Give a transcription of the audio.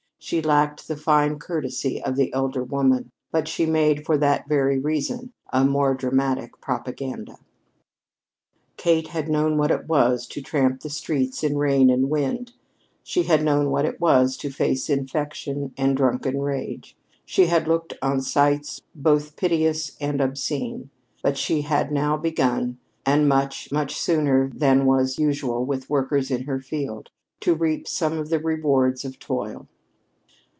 She lacked the fine courtesy of the elder woman; but she made, for that very reason, a more dramatic propaganda. Kate had known what it was to tramp the streets in rain and wind; she had known what it was to face infection and drunken rage; she had looked on sights both piteous and obscene; but she had now begun and much, much sooner than was usual with workers in her field to reap some of the rewards of toil.